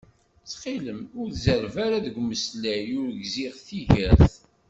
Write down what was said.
Ttxil-m ur zerreb ara deg umeslay, ur gziɣ tigert